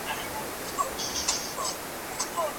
هیوادونه خپلو ژمنو ته درناوی کوي.